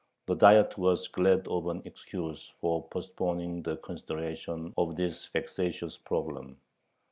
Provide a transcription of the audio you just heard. The Diet was glad of an excuse for postponing the consideration of this vexatious problem.